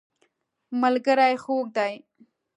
ملګری خوږ دی.